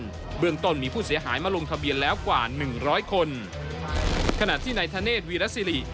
เบื้องต้นมีผู้เสียหายมาลงทะเบียนแล้วกว่าหนึ่งร้อยคนขณะที่นายธเนธวีรสิริ